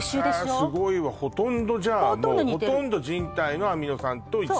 へえすごいわほとんどじゃあほとんど人体のアミノ酸と一緒？